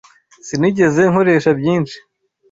Sinigeze nkoresha byinshi.